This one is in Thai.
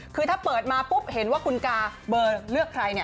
คือถ้าเปิดมาปุ๊บเห็นว่าคุณกาเบอร์เลือกใครเนี่ย